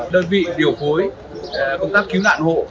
đơn vị điều phối công tác cứu nạn hộ